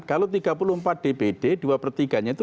kalau tiga puluh empat dpd dua per tiganya itu dua puluh empat